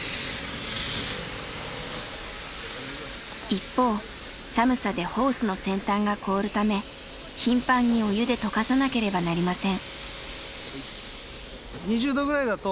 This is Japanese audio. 一方寒さでホースの先端が凍るため頻繁にお湯でとかさなければなりません。